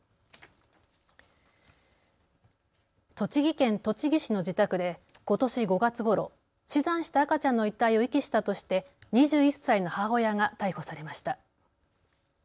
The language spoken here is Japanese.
栃木県栃木市の自宅でことし５月ごろ、死産した赤ちゃんの遺体を遺棄したとして２１歳の母親が逮捕されました。